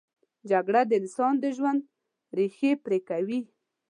جګړه د انسان د ژوند ریښې پرې کوي